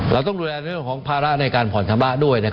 เราต้องดูแลพล้าระในการผอดชำระด้วย